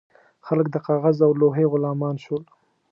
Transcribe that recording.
خلک د کاغذ او لوحې غلامان شول.